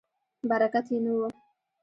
برکت یې نه و.